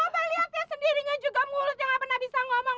coba lihat ya sendirinya juga mulutnya nggak pernah bisa ngomong